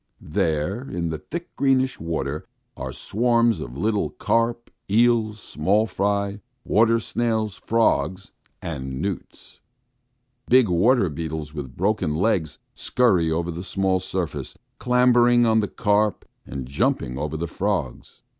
There, in the thick, greenish water are swarms of little carp, eels, small fry, water snails, frogs, and newts. Big water beetles with broken legs scurry over the small surface, clambering on the carp, and jumping over the frogs.